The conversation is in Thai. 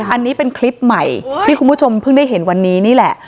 อันนี้เป็นคลิปใหม่ที่คุณผู้ชมเพิ่งได้เห็นวันนี้นี่แหละ